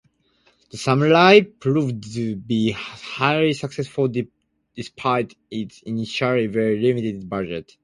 "The Samurai" proved to be highly successful despite its initially very limited budget.